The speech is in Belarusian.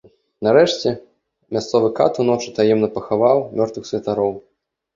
Нарэшце мясцовы кат уночы таемна пахаваў мёртвых святароў.